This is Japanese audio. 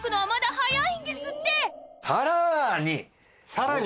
さらに？